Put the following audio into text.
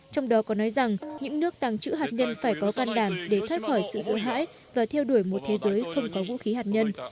trong đó có nói rằng những nước tàng trữ hạt nhân phải có can đảm để thoát khỏi sự giữ hãi và theo đuổi một thế giới không có vũ khí hạt nhân